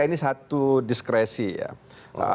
ini satu diskresi ya